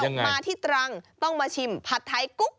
มาที่ตรังต้องมาชิมผัดไทยกุ๊ก